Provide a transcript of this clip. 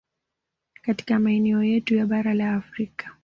Katika maeneo yetu ya bara la Afrika